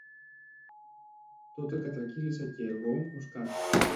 Τότε κατρακύλησα κι εγώ ως κάτω